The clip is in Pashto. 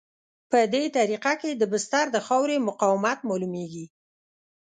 په دې طریقه کې د بستر د خاورې مقاومت معلومیږي